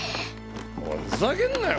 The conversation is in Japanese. おいふざけんなよ！